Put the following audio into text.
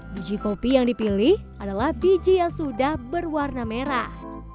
biji kopi yang dipilih adalah biji yang sudah berwarna merah